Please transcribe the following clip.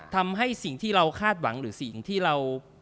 ทำให้สิ่งที่เราคาดหวังหรือสิ่งที่เรา